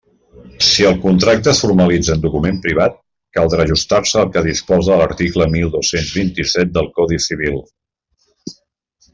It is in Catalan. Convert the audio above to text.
Si el contracte es formalitza en document privat, caldrà ajustar-se al que disposa l'article mil dos-cents vint-i-set del Codi Civil.